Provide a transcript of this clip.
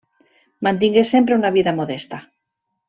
Mantingué sempre una vida modesta.